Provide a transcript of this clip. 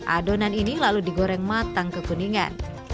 adonan ini lalu digoreng matang kekuningan